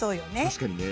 確かにね。